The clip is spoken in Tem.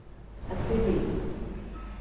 Asiibi.